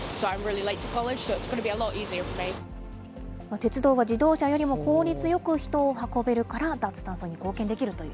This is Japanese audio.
鉄道は自動車よりも効率よく人を運べるから、脱炭素に貢献できるという。